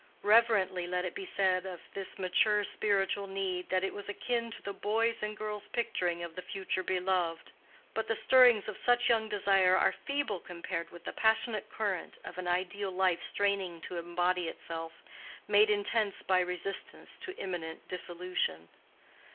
Reverently let it be said of this mature spiritual need that it was akin to the boy's and girl's picturing of the future beloved; but the stirrings of such young desire are feeble compared with the passionate current of an ideal life straining to embody itself, made intense by resistance to imminent dissolution.